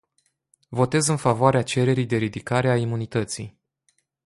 Votez în favoarea cererii de ridicare a imunității.